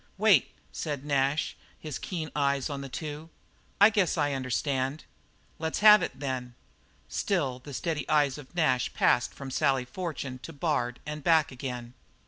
"Wait," said Nash, his keen eyes on the two, "I guess I understand." "Let's have it, then." Still the steady eyes of Nash passed from Sally Fortune to Bard and back again.